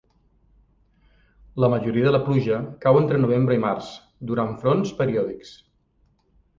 La majoria de la pluja cau entre novembre i març, durant fronts periòdics.